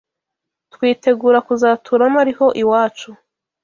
twitegura kuzaturamo ari ho iwacu